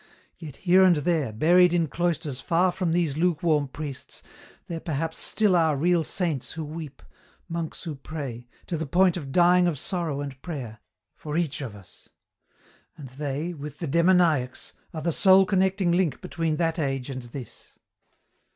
Yet here and there, buried in cloisters far from these lukewarm priests, there perhaps still are real saints who weep, monks who pray, to the point of dying of sorrow and prayer, for each of us. And they with the demoniacs are the sole connecting link between that age and this.